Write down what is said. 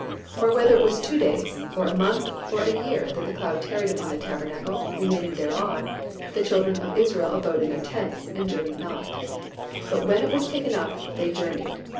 Or whether it were two days, or a month, or a year, that the cloud tarried upon the tabernacle, remaining thereon, the children of Israel abode in their tents, and journeyed not: but when it was taken up, they journeyed.